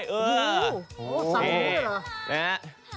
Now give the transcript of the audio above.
สั่งหนูเหรอ